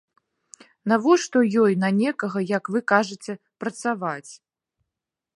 Навошта ёй на некага, як вы кажаце, працаваць?